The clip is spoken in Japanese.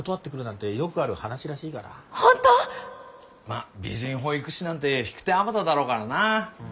まあ美人保育士なんて引く手あまただろうからな。